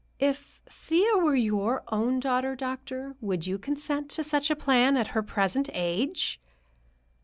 "If Thea were your own daughter, doctor, would you consent to such a plan, at her present age?"